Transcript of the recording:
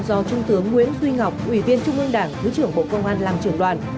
do trung tướng nguyễn duy ngọc ủy viên trung ương đảng thứ trưởng bộ công an làm trưởng đoàn